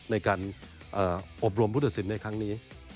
ในการอบรวมพุทธศิลป์ในครั้งนี้